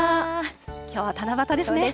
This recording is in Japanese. きょうは七夕ですね。